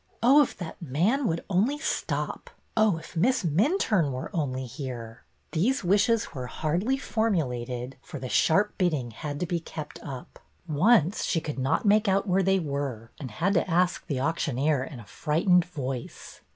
Oh, if that man would only stop! Oh, if Miss Minturne were only here! These wishes were hardly formulated, for the THE UNKNOWN BIDDER 291 sharp bidding had to be kept up. Once she could not make out where they were and had to ask the auctioneer in a frightened voice.